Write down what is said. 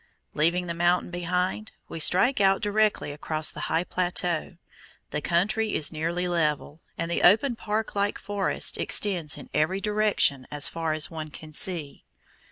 Leaving the mountain behind, we strike out directly across the high plateau. The country is nearly level, and the open park like forest extends in every direction as far as one can see.